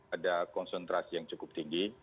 ada konsentrasi yang cukup tinggi